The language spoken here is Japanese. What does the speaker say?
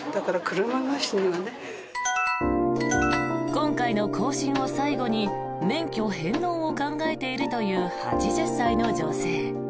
今回の更新を最後に免許返納を考えているという８０歳の女性。